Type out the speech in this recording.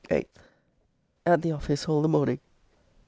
8th. At the office all the morning.